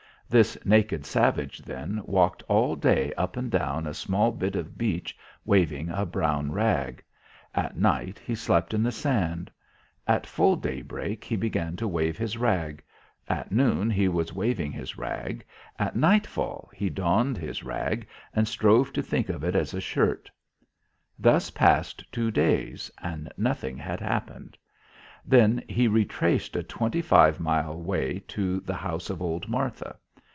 This naked savage, then, walked all day up and down a small bit of beach waving a brown rag. At night, he slept in the sand. At full daybreak he began to wave his rag; at noon he was waving his rag; at night fall he donned his rag and strove to think of it as a shirt. Thus passed two days, and nothing had happened. Then he retraced a twenty five mile way to the house of old Martha.